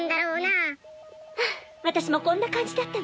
ああ私もこんな感じだったのね。